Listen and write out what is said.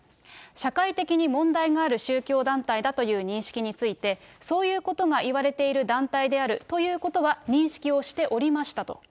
社会的に問題がある宗教団体という認識について、そういうことがいわれている団体であるということは認識をしておりましたと。